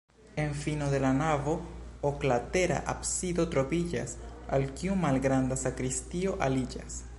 En fino de la navo oklatera absido troviĝas, al kiu malgranda sakristio aliĝas.